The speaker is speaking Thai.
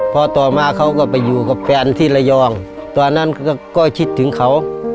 พอต่อมาเขาก็ไปอยู่กับแฟนที่ระยองตอนนั้นก็คิดถึงเขา